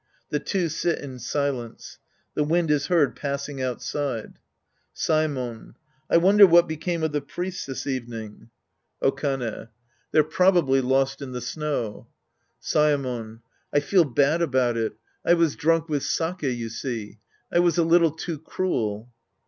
{The two sit in silence. The wind is heard passing outside!) Saemon. I wonder what became of the priests this evening. 40 The Priest and His Disciples Act I Okane. They're probably lost in the snow. Saemon. I feel bad about it. I was drunk with sake, you see. I was a little too cruel.